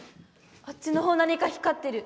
あっちの方何か光ってる！